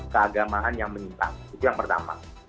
keagamaan yang menyimpang itu yang pertama